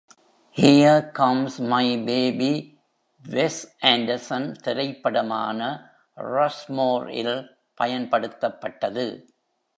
"Here comes my baby" Wes Anderson திரைப்படமான "Rushmore" இல் பயன்படுத்தப்பட்டது.